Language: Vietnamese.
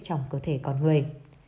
trong cơ thể con người